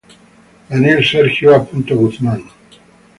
Daniel Sergio A. Guzmán.